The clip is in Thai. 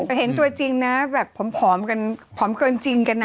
เพราะเห็นตัวจริงนะแบบผอมการผอมกลัวจริงน่ะ